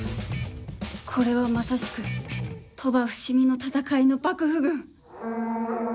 これはまさしく鳥羽・伏見の戦いの幕府軍。